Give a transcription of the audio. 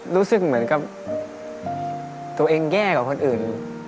รู้สึกเหมือนกับตัวเองแย่กว่าคนอื่น